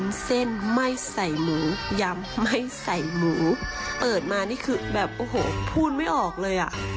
เปิดมานี่คือแบบโอ้โหพูดไม่ออกเลยอ่ะ